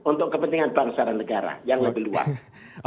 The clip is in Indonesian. untuk kepentingan bangsa dan negara yang lebih luas